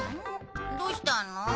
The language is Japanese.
どうしたの？